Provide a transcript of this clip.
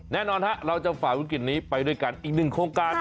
แน่นอนเราจะฝ่าวิกฤตนี้ไปด้วยกันอีกหนึ่งโครงการ